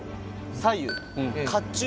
左右。